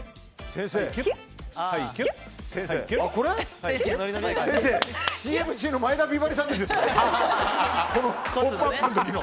先生、ＣＭ中の前田美波里さんですよ。